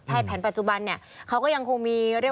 แพทย์แผนปัจจุบันเขาก็ยังคงมี